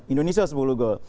indonesia sepuluh gol